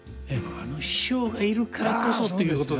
あの師匠がいるからこそっていうことですね。